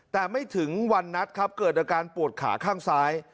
แต่ไม่ถึงวันนัดครับเกิดอาการปวดขาข้างซ้าย